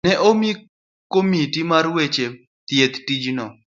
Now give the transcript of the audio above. ne omi komiti mar weche thieth tijno.